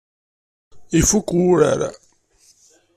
Ifuk wurar.